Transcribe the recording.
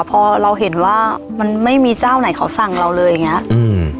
พอเราเห็นว่ามันไม่มีเจ้าไหนเขาสั่งเราเลยอย่างเงี้ยอืม